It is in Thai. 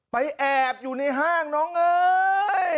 แอบอยู่ในห้างน้องเอ้ย